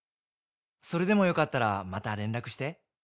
「それでもよかったらまた連絡して！」